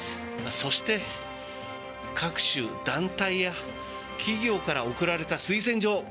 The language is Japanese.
そして各種団体や企業から送られた推薦状。